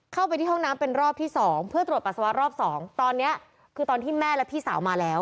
เข้าไปที่ห้องน้ำเป็นรอบที่สองเพื่อตรวจปัสสาวะรอบสองตอนเนี้ยคือตอนที่แม่และพี่สาวมาแล้ว